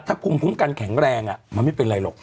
ถ้าคุมคุมกันแข็งแรงมันไม่เป็นเลย